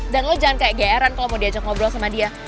dan lu jangan kayak gairan kalo mau diajak ngobrol sama dia